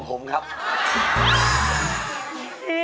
เป็นอะไรตาย